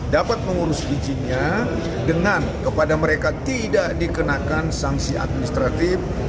dapat mengurus izinnya dengan kepada mereka tidak dikenakan sanksi administratif